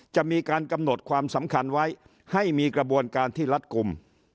จะมีการกำหนดความสำคัญไว้ให้มีกระบวนการที่รัดกลุ่ม